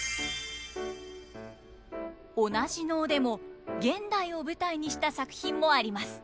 同じ能でも現代を舞台にした作品もあります。